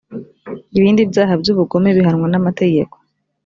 ibindi byaha by ubugome bihanwa n amategeko